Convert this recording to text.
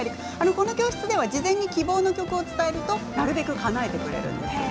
この教室では事前に希望の曲を伝えるとなるべくかなえてくれるそうです。